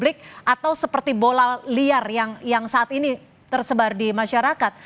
ini bukan asumsi publik atau seperti bola liar yang saat ini tersebar di masyarakat